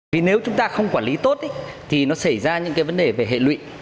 vì nếu chúng ta không quản lý tốt thì nó xảy ra những cái vấn đề về hệ lụy